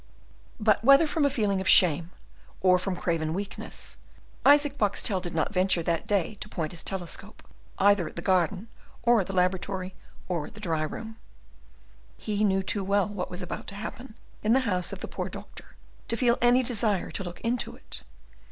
But, whether from a feeling of shame or from craven weakness, Isaac Boxtel did not venture that day to point his telescope either at the garden, or at the laboratory, or at the dry room. He knew too well what was about to happen in the house of the poor doctor to feel any desire to look into it.